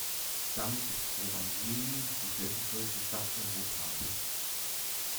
Damit ist Rovaniemi die flächengrößte Stadt Europas.